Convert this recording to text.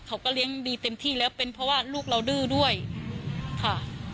เขาก็เลี้ยงดีเต็มที่แล้วเป็นเพราะว่าลูกเราดื้อด้วยค่ะ